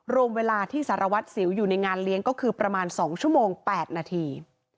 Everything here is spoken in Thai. รวมเวลาที่สารวัตรสิวอยู่ในงานเลี้ยงก็คือประมาณ๒ชั่วโมง๘นาที